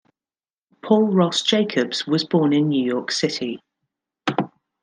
Paul Ross Jacobs was born in New York City.